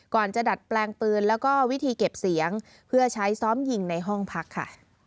จะดัดแปลงปืนแล้วก็วิธีเก็บเสียงเพื่อใช้ซ้อมยิงในห้องพักค่ะ